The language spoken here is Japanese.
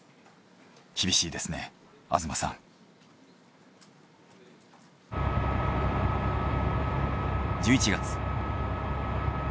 厳しいですね東さん。１１月。